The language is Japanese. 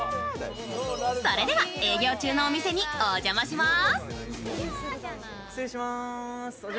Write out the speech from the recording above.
それでは、営業中のお店にお邪魔します！